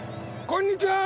こんにちは！